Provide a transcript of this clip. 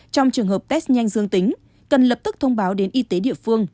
trong trường hợp test nhanh dương tính cần lập tức thông báo đến y tế địa phương